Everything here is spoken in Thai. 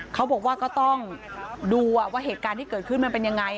เขาบอกว่าก็ต้องดูว่าเหตุการณ์ที่เกิดขึ้นมันเป็นยังไง